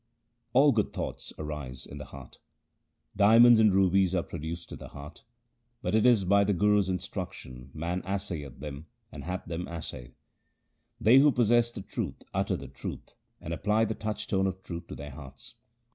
All good thoughts arise in the heart :— Diamonds and rubies are produced in the heart, But it is by the Guru's instruction man assayeth them and hath them assayed. They who possess the truth utter the truth, and apply the touchstone of truth to their hearts.